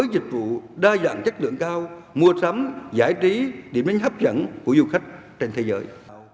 dịch vụ đa dạng chất lượng cao mua sắm giải trí điểm đến hấp dẫn của du khách trên thế giới